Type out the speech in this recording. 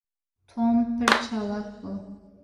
Tom pir çalak bû.